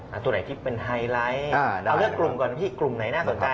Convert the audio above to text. เอาตัวไหนที่เป็นไฮไลท์เอาเลือกกลุ่มก่อนพี่กลุ่มไหนน่าสนใจ